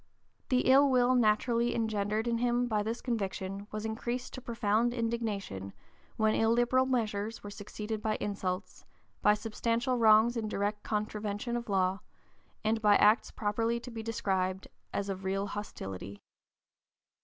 The ill will naturally engendered in him by this conviction was increased to profound indignation when illiberal measures were succeeded by insults, by substantial wrongs in direct contravention of law, and by acts properly to be described as of real hostility.